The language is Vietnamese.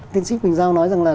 tiến sĩ quỳnh giao nói rằng là